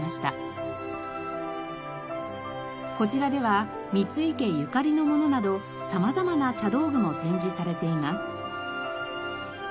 こちらでは三井家ゆかりのものなど様々な茶道具も展示されています。